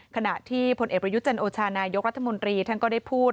ขณะที่พลเอกประยุจันโอชานายกรัฐมนตรีท่านก็ได้พูด